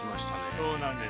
そうなんです。